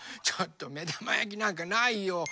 ちょっとめだまやきなんかないよ。